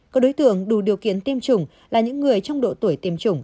có đối tượng đủ điều kiện tiêm chủng là những người trong độ tuổi tiêm chủng